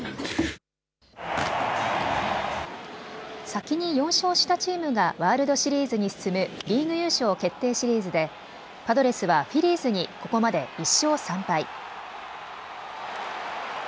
先に４勝したチームがワールドシリーズに進むリーグ優勝決定シリーズでパドレスはフィリーズにここまで１勝３敗。